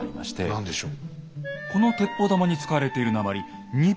何でしょう。